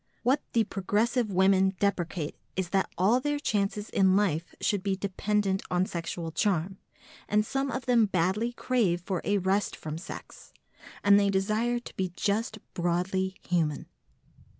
What the progressive women deprecate is that all their chances in life should be dependent on sexual charm, and some of them badly crave for a rest from sex, and they desire to be just broadly human.